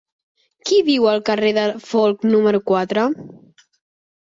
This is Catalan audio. Qui viu al carrer de Folc número quatre?